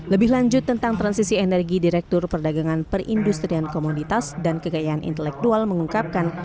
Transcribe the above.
lebih lanjut tentang transisi energi direktur perdagangan perindustrian komoditas dan kekayaan intelektual mengungkapkan